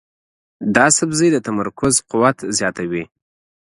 دا سبزی د تمرکز قوت زیاتوي.